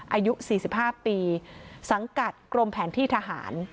อายุ๔๕ปีสังกัดกรมแผนที่ทหาร